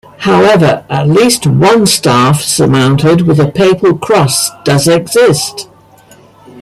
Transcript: However, at least one staff surmounted with a papal cross does exist.